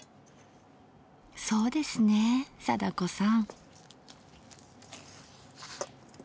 そうですねえ貞子さん。